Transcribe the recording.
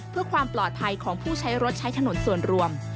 เพื่อความปลอดภัยของผู้ใช้รถใช้ถนนส่วนรวม